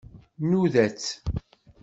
Nnuda-tt.